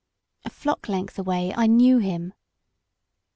A flock length away, I knew him.